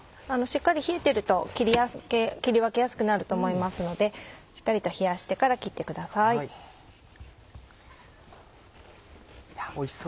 しっかり冷えてると切り分けやすくなると思いますのでしっかりと冷やしてから切ってください。